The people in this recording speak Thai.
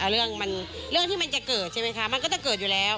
เรื่องที่มันจะเกิดใช่ไหมคะมันก็จะเกิดอยู่แล้ว